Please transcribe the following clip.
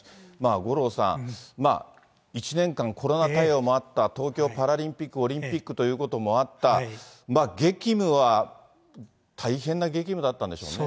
五郎さん、１年間コロナ対応もあった、東京パラリンピック・オリンピックということもあった、激務は大変な激務だったんでしょうね。